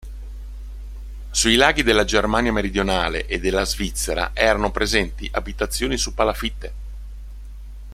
Sui laghi della Germania meridionale e della Svizzera erano presenti abitazioni su palafitte.